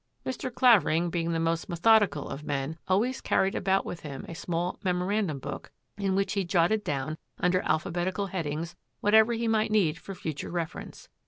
Mr. Clavering, being the most methodical of men, always carried about with him a small mem orandum book in which he jotted down, under al phabetical headings, whatever he might need for future reference.